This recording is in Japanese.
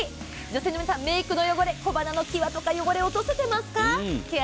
女性の皆さんメイクの汚れ、小鼻の際の汚れを落とせていますか？